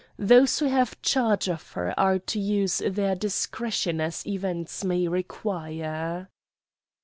Those who have charge of her are to use their discretion as events may require."